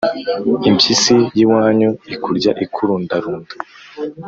Impyisi y’iwanyu ikurya ikurundarunda.